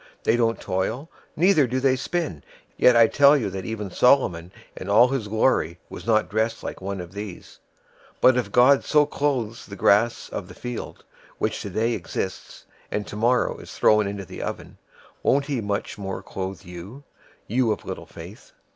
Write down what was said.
They don't toil, neither do they spin, 006:029 yet I tell you that even Solomon in all his glory was not dressed like one of these. 006:030 But if God so clothes the grass of the field, which today exists, and tomorrow is thrown into the oven, won't he much more clothe you, you of little faith?